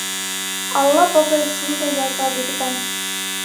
Алла бабай шундай яза биргән.